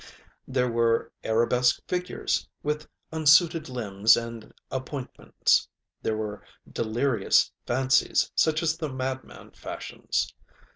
ŌĆØ There were arabesque figures with unsuited limbs and appointments. There were delirious fancies such as the madman fashions.